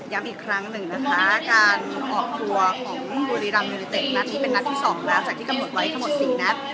อีกครั้งหนึ่งนะคะการออกตัวของบุรีรัมยูนิเต็ดนัดนี้เป็นนัดที่๒แล้วจากที่กำหนดไว้ทั้งหมด๔นัด